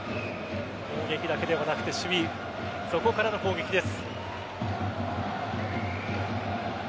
攻撃だけではなくて守備そこからの攻撃です。